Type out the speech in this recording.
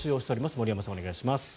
森山さん、お願いします。